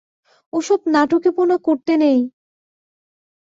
ওসব নাটুকেপনা করতে নেই।